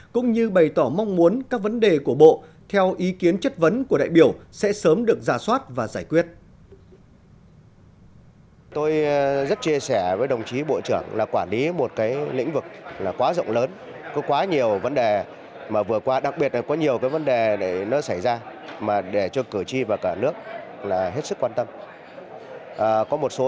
cũng như bày tỏ mong muốn các vấn đề của bộ theo ý kiến chất vấn của đại biểu sẽ sớm được ra soát và giải quyết